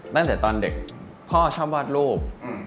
ตั้งแต่ตอนเด็กพ่อชอบวาดรูป